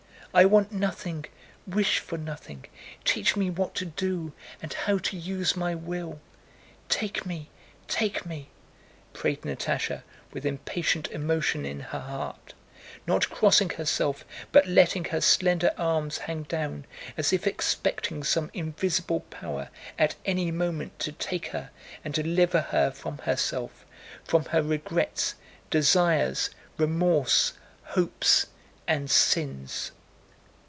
"I want nothing, wish for nothing; teach me what to do and how to use my will! Take me, take me!" prayed Natásha, with impatient emotion in her heart, not crossing herself but letting her slender arms hang down as if expecting some invisible power at any moment to take her and deliver her from herself, from her regrets, desires, remorse, hopes, and sins.